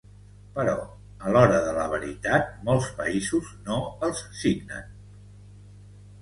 però a l'hora de la veritat molts països no els signen